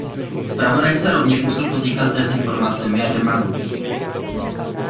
Zpravodaj se rovněž musel potýkat s dezinformacemi a demagogií.